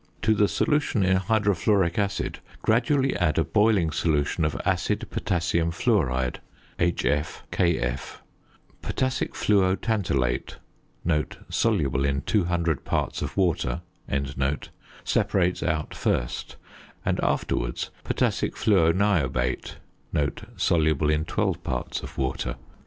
To the solution in hydrofluoric acid gradually add a boiling solution of acid potassium fluoride (HF, KF.). Potassic fluotantalate (soluble in 200 parts of water) separates out first, and afterwards potassic fluoniobate (soluble in 12 parts of water).